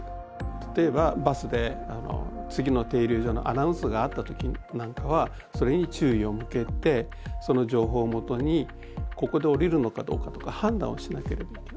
例えばバスで次の停留所のアナウンスがあった時なんかはそれに注意を向けてその情報をもとにここで降りるのかどうかとか判断をしなければいけない。